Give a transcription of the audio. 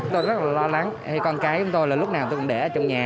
tôi rất là lo lắng hay con cái của tôi là lúc nào tôi cũng để ở trong nhà